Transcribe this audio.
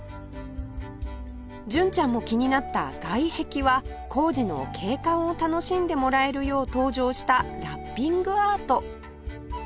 純ちゃんも気になった外壁は工事の景観を楽しんでもらえるよう登場したラッピングアート